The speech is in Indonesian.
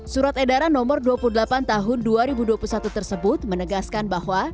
surat edaran nomor dua puluh delapan tahun dua ribu dua puluh satu tersebut menegaskan bahwa